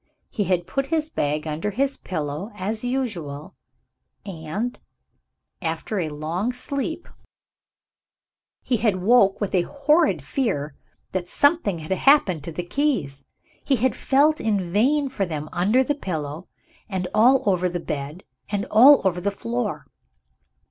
He had put his bag under his pillow as usual; and (after a long sleep) he had woke with a horrid fear that something had happened to the keys. He had felt in vain for them under the pillow, and all over the bed, and all over the floor.